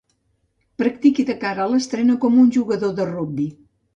Practiqui de cara a l'estrena com un jugador de rugbi.